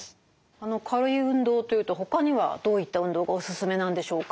軽い運動というとほかにはどういった運動がおすすめなんでしょうか？